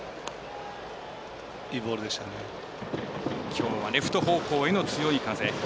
きょうはレフト方向への強い風。